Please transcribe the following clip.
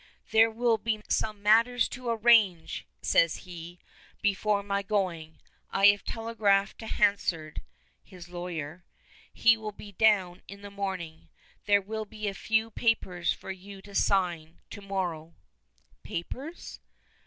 "There will be some matters to arrange," says he, "before my going. I have telegraphed to Hansard" (his lawyer), "he will be down in the morning. There will be a few papers for you to sign to morrow " "Papers?"